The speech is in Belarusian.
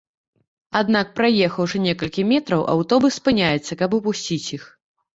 Аднак праехаўшы некалькі метраў аўтобус спыняецца, каб упусціць іх.